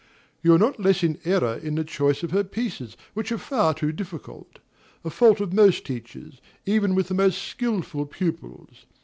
You are not less in error in the choice of her pieces, which are far too difficult, a fault of most teachers, even with the most skilful pupils.